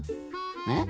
えっ？